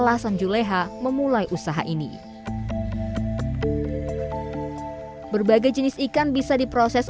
masa dulu det annie minta keras tuh